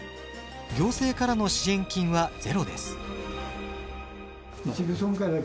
行政からの支援金はゼロです。